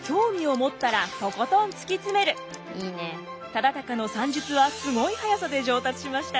忠敬の算術はすごい速さで上達しました。